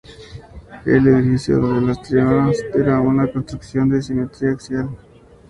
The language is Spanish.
El edificio de las termas era una construcción de simetría axial.